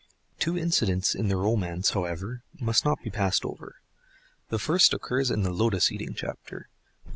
Two incidents in the romance, however, must not be passed over. The first occurs in the Lotus eating chapter.